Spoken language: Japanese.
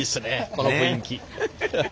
この雰囲気。